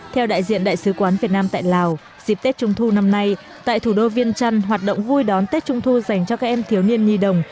theo đại diện đại sứ quán việt nam tại lào dịp tết trung thu năm nay tại thủ đô viên trăn hoạt động vui đón tết trung thu dành cho các em thiếu niên nhi đồng